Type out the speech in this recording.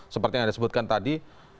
seperti yang anda sebutkan tadi